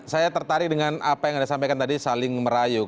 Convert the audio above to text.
saya tertarik dengan apa yang anda sampaikan tadi saling merayu